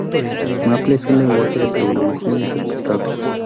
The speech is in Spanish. Maple es un lenguaje de programación interpretado.